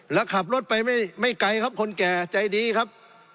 แล้วขับรถไปไม่ไกลครับคนแก่ใจดีครับ